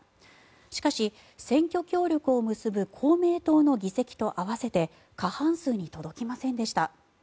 しかし、選挙協力を結ぶ公明党の議席と合わせて過半数に届きませんでした。